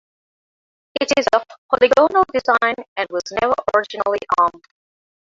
It is of polygonal design and was never originally armed.